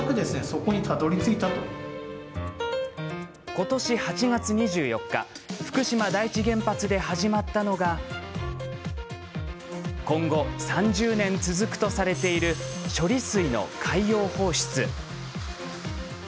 今年８月２４日福島第一原発で始まったのが今後３０年続くとされている処理水の海洋放出。